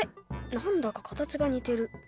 何だか形が似てる。